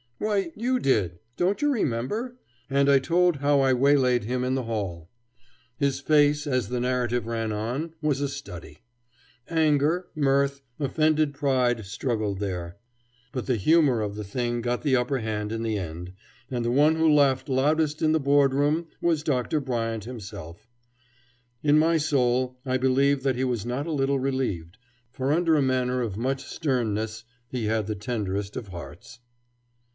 "Why, you did. Don't you remember?" And I told how I waylaid him in the hall. His face, as the narrative ran on, was a study. Anger, mirth, offended pride, struggled there; but the humor of the thing got the upper hand in the end, and the one who laughed loudest in the Board room was Dr. Bryant himself. In my soul I believe that he was not a little relieved, for under a manner of much sternness he had the tenderest of hearts.